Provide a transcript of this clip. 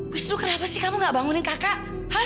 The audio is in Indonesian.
wisnu kenapa sih kamu gak bangunin kakak